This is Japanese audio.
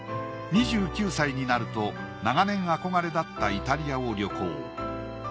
２９歳になると長年憧れだったイタリアを旅行。